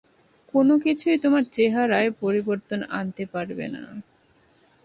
কোনোকিছুই তোমার চেহারায় পরিবর্তন আনতে পারবে না।